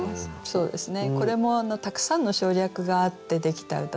そうですね。